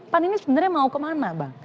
pan ini sebenarnya mau kemana bang